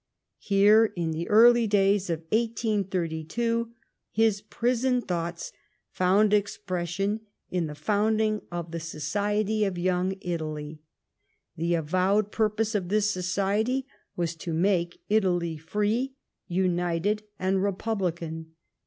Here, in the early days of 18o2, his prison thoughts found expression in the founding of the " Society of Young Italy." The avowed purpose of this society was to make Italy free, united, and republican.